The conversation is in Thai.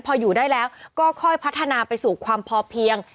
พออยู่ได้แล้วก็ค่อยพัฒนาไปสู่ความพอเพียง